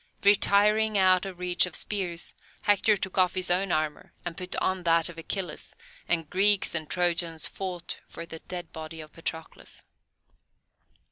Retiring out of reach of spears, Hector took off his own armour and put on that of Achilles, and Greeks and Trojans fought for the dead body of Patroclus.